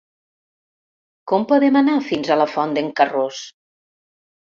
Com podem anar fins a la Font d'en Carròs?